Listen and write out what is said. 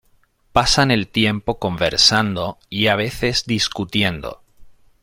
Pasan el tiempo conversando y a veces discutiendo.